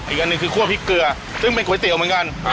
อีกอันหนึ่งคือคั่วพริกเกลือซึ่งเป็นก๋วยเตี๋ยวเหมือนกัน